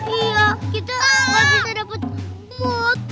iya kita gak bisa dapet motor